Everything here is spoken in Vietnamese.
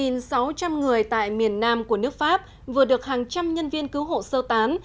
gần sáu trăm linh người tại miền nam của nước pháp vừa được hàng trăm nhân viên cứu hộ sơ tán